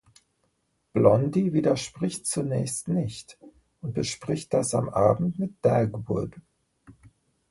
Blondie widerspricht zunächst nicht und bespricht das am Abend mit Dagwood.